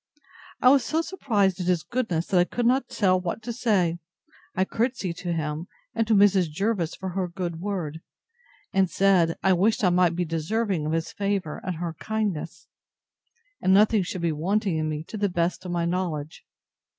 I was so surprised at his goodness, that I could not tell what to say. I courtesied to him, and to Mrs. Jervis for her good word; and said, I wished I might be deserving of his favour, and her kindness: and nothing should be wanting in me, to the best of my knowledge.